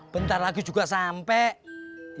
bentar lagi juga sampai